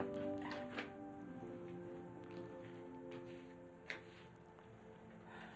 kan mungkin lautan emailnya